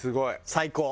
最高。